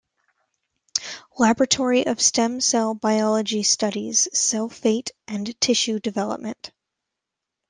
Laboratory of Stem Cell Biology-studies cell fate and tissue development.